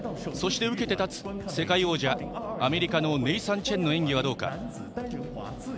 そして受けて立つ世界王者アメリカのネイサン・チェンの演技はどうか。